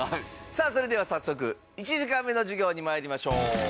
さあそれでは早速１時間目の授業に参りましょう。